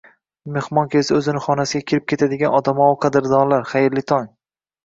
Mehmon kelsa o'zini xonasiga kirib ketadigan odamovi qadrdonlar, xayrli tong!